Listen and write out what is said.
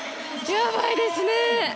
やばいですね！